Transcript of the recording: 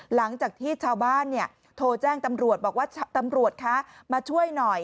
หลังจากที่ชาวบ้านโทรแจ้งตำรวจบอกว่าตำรวจคะมาช่วยหน่อย